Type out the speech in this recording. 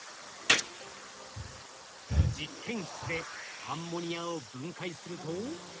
実験室でアンモニアを分解すると。